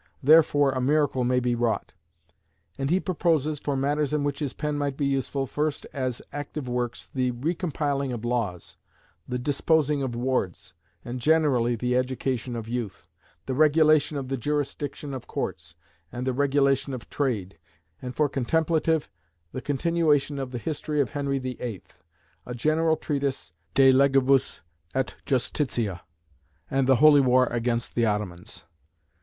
Therefore a miracle may be wrought." And he proposes, for matters in which his pen might be useful, first, as "active" works, the recompiling of laws; the disposing of wards, and generally the education of youth; the regulation of the jurisdiction of Courts; and the regulation of Trade; and for "contemplative," the continuation of the history of Henry VIII.; a general treatise de Legibus et Justitia; and the "Holy War" against the Ottomans.